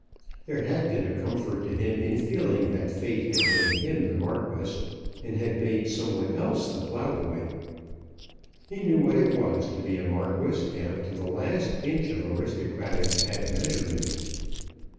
There had been a comfort to him in feeling that Fate had made him the Marquis, and had made some one else the ploughboy. He knew what it was to be a Marquis down to the last inch of aristocratic admeasurement.